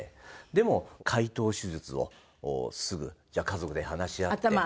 でも開頭手術をすぐ家族で話し合って。